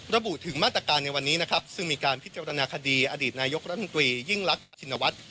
ระบุถึงมาตรการในวันนี้นะครับซึ่งมีการพิจารณาคดีอดีตนายกรัฐมนตรียิ่งรักชินวัฒน์